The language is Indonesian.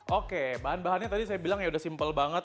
oke bahan bahannya tadi saya bilang ya udah simpel banget